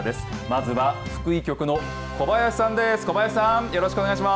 まずは福井局の小林さんです。